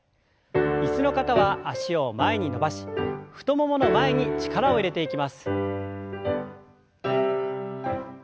椅子の方は脚を前に伸ばし太ももの前に力を入れていきます。